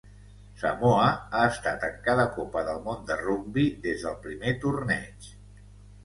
Samoa ha estat en cada Copa del Món de Rugbi des del primer torneig.